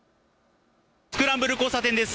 スクランブル交差点です。